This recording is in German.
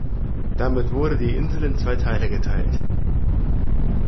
Damit wurde die Insel in zwei Teile geteilt.